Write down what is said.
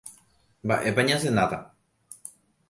Mba'épa ñasenáta.